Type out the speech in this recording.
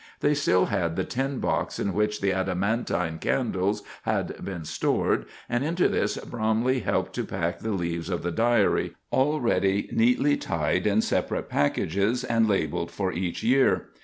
They still had the tin box in which the adamantine candles had been stored, and into this Bromley helped to pack the leaves of the diary, already neatly tied in separate packages, and labeled for each year.